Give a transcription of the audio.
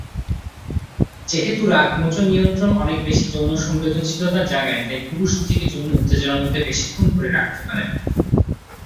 যেহেতু রাগমোচন নিয়ন্ত্রণ অনেক বেশি যৌন সংবেদনশীলতা জাগায়, তাই পুরুষ নিজেকে যৌন উত্তেজনার মধ্যে বেশিক্ষণ রাখতে পারে।